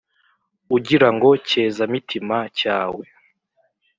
ugira ngo cyezamitima cyawe